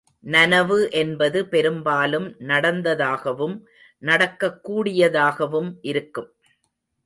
நனவு என்பது பெரும்பாலும் நடந்ததாகவும் நடக்கக்கூடியதாகவும் இருக்கும்.